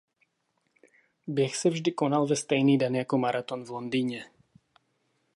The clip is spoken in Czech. Běh se vždy konal ve stejný den jako maraton v Londýně.